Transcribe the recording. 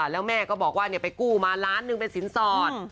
แล้วแม่ก็บอกว่าไปกู้มาล้านหนึ่งเป็นสินสอด